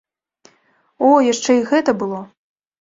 О, яшчэ і гэта было!